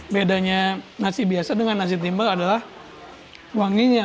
bedanya nasi biasa dengan nasi timbal adalah wanginya